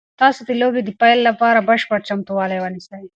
تاسو د لوبې د پیل لپاره بشپړ چمتووالی ونیسئ.